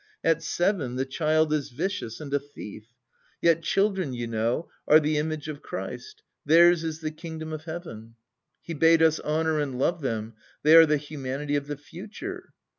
At seven the child is vicious and a thief. Yet children, you know, are the image of Christ: 'theirs is the kingdom of Heaven.' He bade us honour and love them, they are the humanity of the future...."